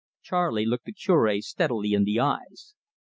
Charley looked the Curb steadily in the eyes.